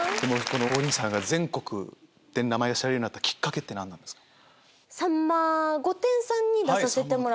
王林さんが全国で名前が知られるようになったきっかけって何なんですか？